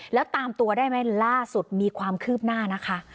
แล้วตามตัวได้ไหมล่าสุดมีความคืบหน้านะคะ